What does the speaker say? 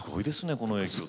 この影響で。